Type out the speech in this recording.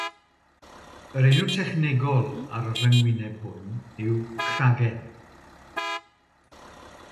Yr enw technegol ar y rhyngwyneb hwn yw “cragen”.